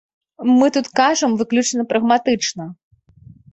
Мы тут кажам выключна прагматычна.